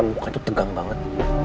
muka tuh tegang banget